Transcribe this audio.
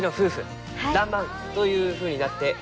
「らんまん」というふうになっていきます。